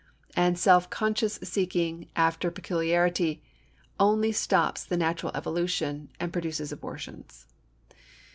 And self conscious seeking after peculiarity only stops the natural evolution and produces abortions.